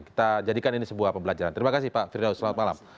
kita jadikan ini sebuah pembelajaran terima kasih pak firdaus selamat malam